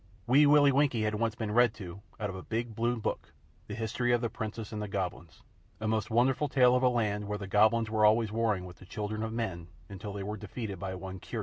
Wee Willie Winkie had once been read to, out of a big blue book, the history of the Princess and the Goblins a most wonderful tale of a land where the Goblins were always warring with the children of men until they were defeated by one Curdie.